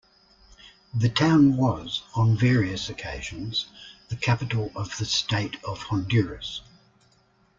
The town was on various occasions the capital of the State of Honduras.